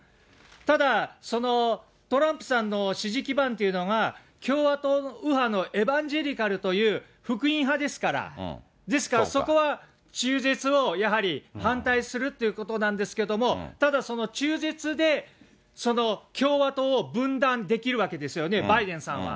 ただ、トランプさんの支持基盤というのが、共和党右派のエバンジェリカルという福音派ですから、ですから、そこは中絶をやはり反対するっていうことなんですけども、ただ中絶で共和党を分断できるわけですよね、バイデンさんは。